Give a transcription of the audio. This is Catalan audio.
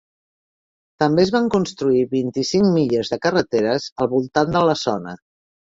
També es van construir vint-i-cinc milles de carreteres al voltant de la zona.